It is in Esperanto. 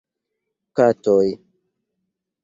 Katoj